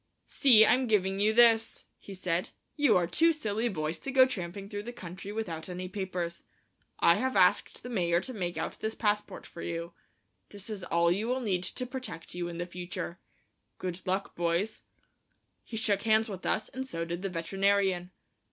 "See, I'm giving you this," he said; "you are two silly boys to go tramping through the country without any papers. I have asked the mayor to make out this passport for you. This is all you will need to protect you in the future. Good luck, boys." He shook hands with us, and so did the veterinarian.